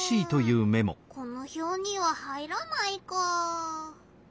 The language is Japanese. このひょうには入らないかあ。